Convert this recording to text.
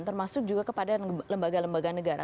termasuk juga kepada lembaga lembaga negara